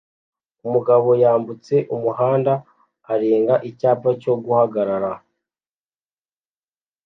Umugabo yambutse umuhanda arenga icyapa cyo guhagarara